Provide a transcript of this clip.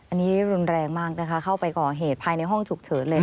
อันนี้รุนแรงมากนะคะเข้าไปก่อเหตุภายในห้องฉุกเฉินเลย